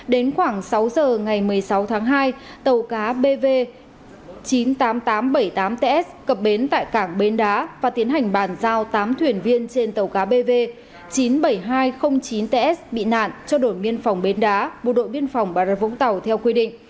đến khoảng sáu giờ ngày một mươi sáu tháng hai tàu cá bv chín mươi tám nghìn tám trăm bảy mươi tám ts cập bến tại cảng bến đá và tiến hành bàn giao tám thuyền viên trên tàu cá bv chín mươi bảy nghìn hai trăm linh chín ts bị nạn cho đội biên phòng bến đá bộ đội biên phòng bà rê vũng tàu theo quy định